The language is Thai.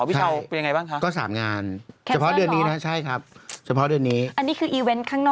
พี่เช้าเป็นอย่างไรบ้าง